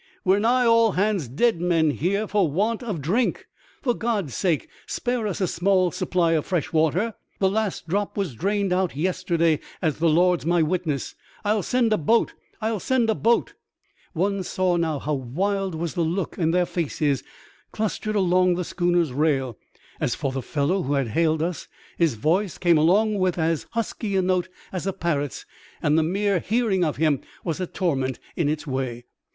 " We're nigh all hands dead men here for the want of a drink. For God's sake spare us a small supply of fresh water ! The last drop was drained out yesterday, as the Lord's my witness. I'll send a boat ! I'll send a boat! " 54 THIRST! AN OCEAN INCIDENT. One saw now how wild was the look in thp faces clustered along the schooner's rail. As for the fellow who had hailed us, his voice came along with as husky a note as a parrot's, and the mere hearing of him was a torment in its way.